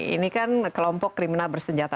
ini kan kelompok kriminal bersenjata